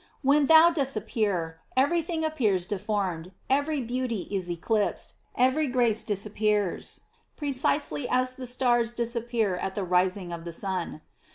When thou dost appear, every thing appears deformed, every beauty is eclipsed, every grace disappears, precisely as the stars disappear at the rising of the sun.